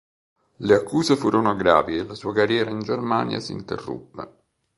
Le accuse furono gravi e la sua carriera in Germania si interruppe.